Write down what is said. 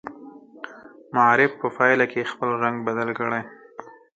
معرف په پایله کې خپل رنګ بدل کړي.